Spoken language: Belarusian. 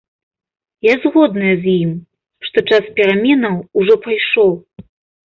Я згодная з ім, што час пераменаў ужо прыйшоў.